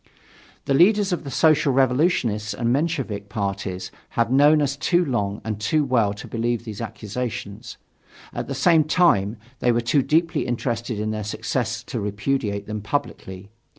The leaders of the Social Revolutionist and Menshevik parties have known us too long and too well to believe these accusations. At the same time, they were too deeply interested in their success to repudiate them publicly.